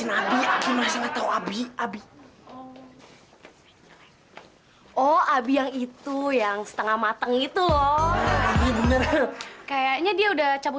abisnya atau abi abi oh abi yang itu yang setengah matang itu loh kayaknya dia udah cabut